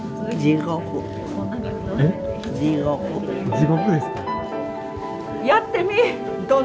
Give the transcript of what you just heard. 地獄ですか。